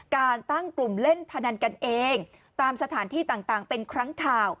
การตั้งกลุ่มเล่นพนันกันเองตามสถานที่ต่างเป็นครั้งข่าว